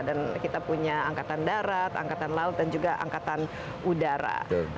dan kita punya angkatan darat angkatan laut dan juga angkatan udara